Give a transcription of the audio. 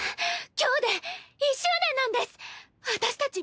今日で１周年なんです私たち